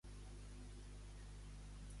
Ja sé que vull fer a la vida!